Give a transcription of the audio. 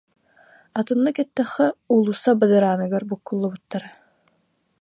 Атыннык эттэххэ уулусса бадарааныгар буккуллубуттара